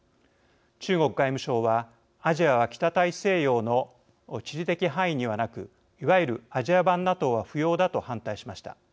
中国外務省はアジアは北大西洋の地理的範囲にはなくいわゆるアジア版ＮＡＴＯは不要だと反対しました。